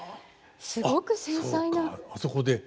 すごく繊細な。